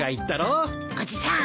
おじさん